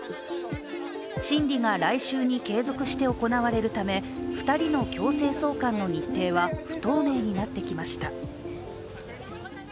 審理が来週に継続して行われるため、２人の強制送還の日程は不透明になってきました。